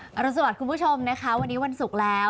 รุนสวัสดิ์คุณผู้ชมนะคะวันนี้วันศุกร์แล้ว